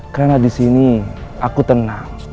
karena di sini aku tenang